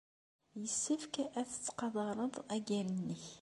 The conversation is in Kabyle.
Yessefk ad tettqadared agal-nnek.